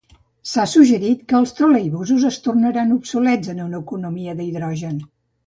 S'ha suggerit que els troleibusos es tornaran obsolets en una economia d'hidrogen.